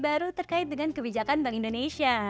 baru terkait dengan kebijakan bank indonesia